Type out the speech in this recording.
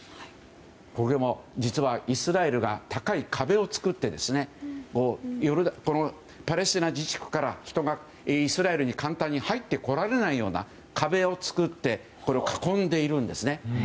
実はイスラエルが高い壁を作ってパレスチナ自治区から人が簡単に入ってこられないような壁を作って囲んでいるんですね。